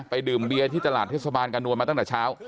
ดื่มเบียร์ที่ตลาดเทศบาลกระนวลมาตั้งแต่เช้า